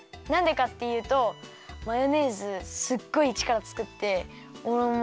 なんでかっていうとマヨネーズすっごいちからつかっておれ